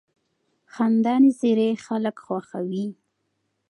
خندانې څېرې خلک خوښوي.